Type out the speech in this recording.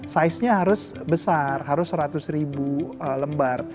saiznya harus besar harus seratus ribu lembar